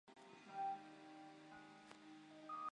性功能障碍会对患者的性生活质量产生重大影响。